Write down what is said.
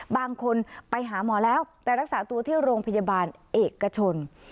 บางคนไปหาหมอแล้วไปรักษาตัวที่โรงพยาบาลเอกชน